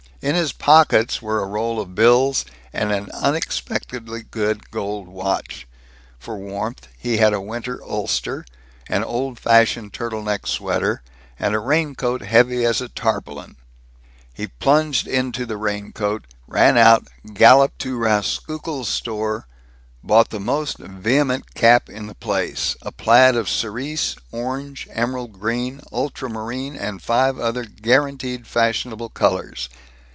In his pockets were a roll of bills and an unexpectedly good gold watch. For warmth he had a winter ulster, an old fashioned turtle neck sweater, and a raincoat heavy as tarpaulin. He plunged into the raincoat, ran out, galloped to Rauskukle's store, bought the most vehement cap in the place a plaid of cerise, orange, emerald green, ultramarine, and five other guaranteed fashionable colors.